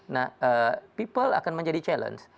nah people akan menjadi challenge